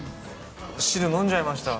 汁飲んじゃいました。